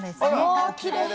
わきれい！